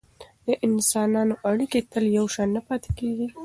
د انسانانو اړیکې تل یو شان نه پاتې کیږي.